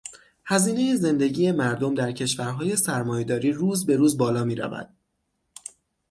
هزینهٔ زندگی مردم در کشورهای سرمایه داری روز بروز بالا میرود.